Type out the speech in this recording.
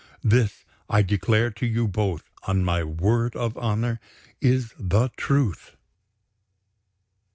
This, I declare to you both, on my word of honor, is the truth."